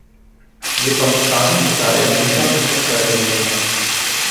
یہ پاکستانی ستارے امریکا میں کیا کررہے ہیں